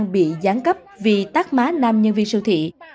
bác má nam nhân viên sâu thị